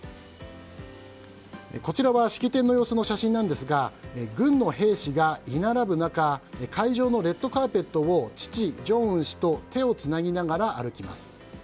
こちらは式典の様子の写真なんですが軍の兵士が並ぶ中会場のレッドカーペットを父・正恩氏と手をつなぎながら歩きます。